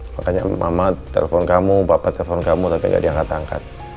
makanya mama telepon kamu bapak telepon kamu tapi gak diangkat angkat